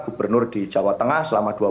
gubernur di jawa tengah selama